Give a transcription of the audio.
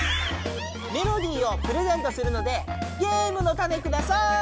メロディーをプレゼントするのでゲームのタネください！